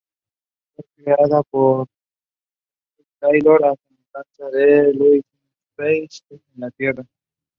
Other boarding schools or distance education would be options.